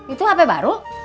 itu hp baru